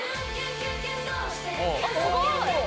「あっすごい！」